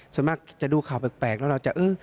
ส่วนมากจะดูข่าวแปลกแล้วเราจะเออ